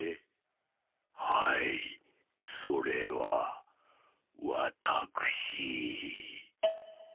はいそれはわたくしー。